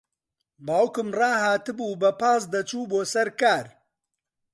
باوکم ڕاھاتبوو بە پاس دەچوو بۆ سەر کار.